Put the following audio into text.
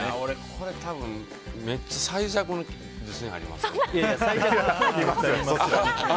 これ、多分めっちゃ最弱の自信あります。